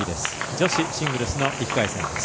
女子シングルスの１回戦です。